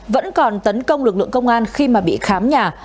vẫn còn tấn công lực lượng công an khi mà bị khám nhà